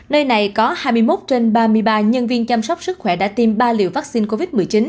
nơi này có hai mươi một trên ba mươi ba nhân viên chăm sóc sức khỏe đã tiêm ba liều vaccine covid một mươi chín